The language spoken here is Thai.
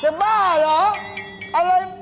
เป็นบ้าเหรออะไร